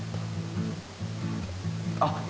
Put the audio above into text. あ！